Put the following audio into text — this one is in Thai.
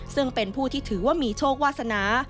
ซึ่งเป็นผู้ที่ถือว่ามีโชควาสนา